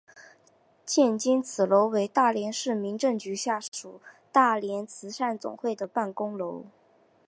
现今此楼为大连市民政局下属大连慈善总会的办公楼。